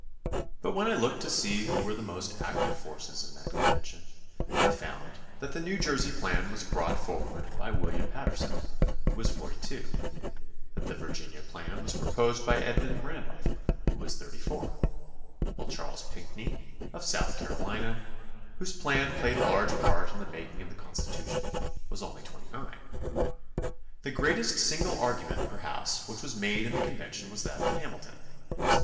But when I looked to see who were the most active forces in that convention, I found that the New Jersey plan was brought forward by William Paterson, who was 42; that the Virginia plan was proposed by Edmund Randolph, who was 34; while Charles Pinckney, of South Carolina, whose plan played a large part in the making of the Constitution, was only 29. The great est single argument, perhaps, which was made in the convention was that of Hamilton, who was 30.